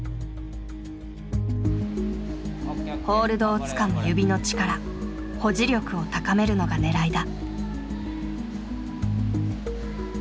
ホールドをつかむ指の力「保持力」を高めるのが狙いだ。